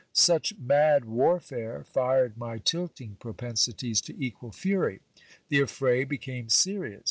Such mad warfare fired my tilting propensities to equal fury. The affray became serious.